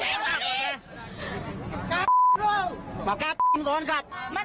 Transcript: อารทิตย์